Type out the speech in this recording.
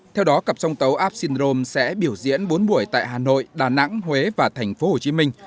theo đó cặp song tấu apsin rome sẽ biểu diễn bốn buổi tại hà nội đà nẵng huế và thành phố hồ chí minh